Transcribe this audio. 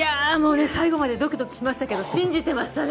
最後までドキドキしましたけど信じてましたね。